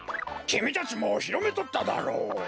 きみたちもひろめとっただろう。